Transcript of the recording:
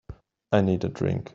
I need a drink.